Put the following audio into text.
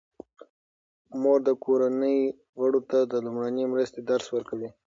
مور د کورنۍ غړو ته د لومړنۍ مرستې درس ورکوي.